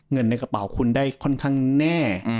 เงินในกระเป๋าคุณได้ค่อนข้างแน่